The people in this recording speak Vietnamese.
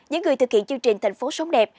những người thực hiện chương trình thành phố sống đẹp